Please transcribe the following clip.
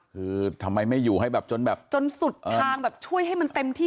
คือทำไมไม่อยู่ให้แบบจนแบบจนสุดทางแบบช่วยให้มันเต็มที่